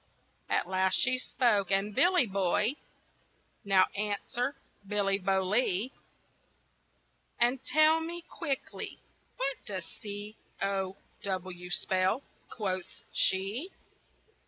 At last she spoke, and "Billy boy! Now answer, Billy Bolee, And tell me quickly, what does C O W spell?" quoth she.